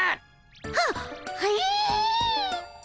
はっはい。